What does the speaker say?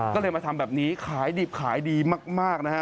ก็เลยมาทำแบบนี้ขายดิบขายดีมากนะฮะ